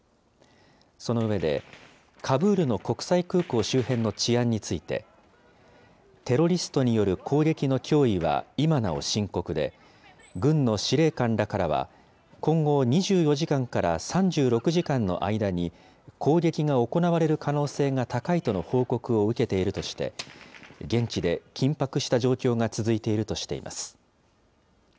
その上で、カブールの国際空港周辺の治安について、テロリストによる攻撃の脅威は今なお深刻で、軍の司令官らからは、今後２４時間から３６時間の間に、攻撃が行われる可能性が高いとの報告を受けているとして、現地で緊迫した状況が続いているとしています。